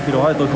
tôi rất tự hào